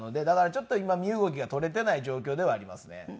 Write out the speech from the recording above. だからちょっと今身動きが取れてない状況ではありますね。